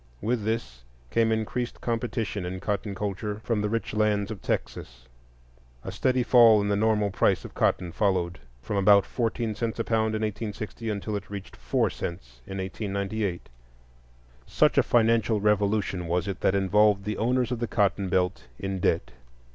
With this came increased competition in cotton culture from the rich lands of Texas; a steady fall in the normal price of cotton followed, from about fourteen cents a pound in 1860 until it reached four cents in 1898. Such a financial revolution was it that involved the owners of the cotton belt in debt.